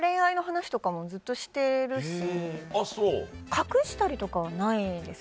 隠したりとかはないですね。